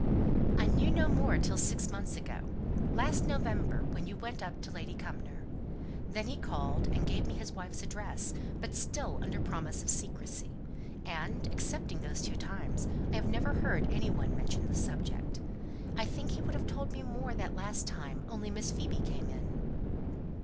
"I knew no more till six months ago last November, when you went up to Lady Cumnor. Then he called, and gave me his wife's address, but still under promise of secrecy; and, except those two times, and once when Roger just alluded to it, I have never heard any one mention the subject. I think he would have told me more that last time, only Miss Phoebe came in."